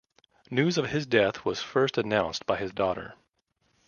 News of his death was first announced by his daughter.